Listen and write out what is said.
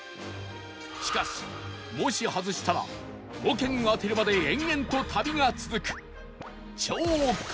しかしもし外したら５軒当てるまで延々と旅が続く